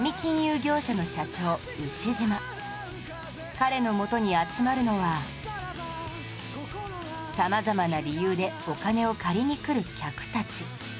彼のもとに集まるのは様々な理由でお金を借りに来る客たち